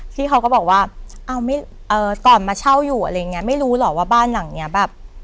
พี่เขาก็บอกว่าเอาไม่เอ่อก่อนมาเช่าอยู่อะไรอย่างเงี้ไม่รู้เหรอว่าบ้านหลังเนี้ยแบบ